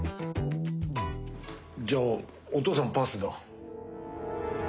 じゃあお父さんパスだ。